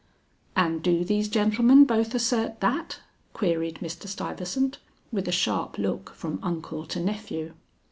"And do these gentleman both assert that?" queried Mr. Stuyvesant, with a sharp look from uncle to nephew.